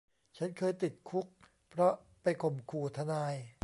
ฉันเคยติดคุกเพราะไปข่มขู่ทนาย